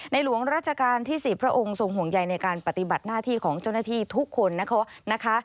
หลวงราชการที่๔พระองค์ทรงห่วงใยในการปฏิบัติหน้าที่ของเจ้าหน้าที่ทุกคนนะคะ